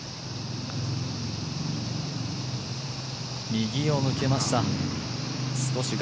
右を抜けました。